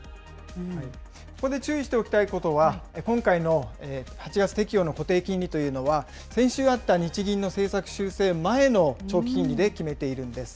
ここで注意しておきたいことは、今回の８月適用の固定金利というのは、先週あった日銀の政策修正前の長期金利で決めているんです。